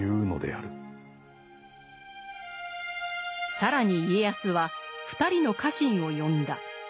更に家康は２人の家臣を呼んだ。